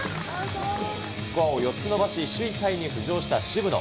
スコアを４つ伸ばし、首位タイに浮上した渋野。